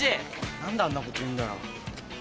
何であんなこと言うんだよ。